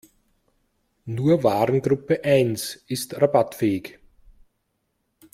Nur Warengruppe eins ist rabattfähig.